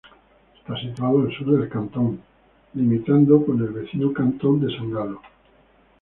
Está situado al sur del cantón, limitando con el vecino Cantón de San Galo.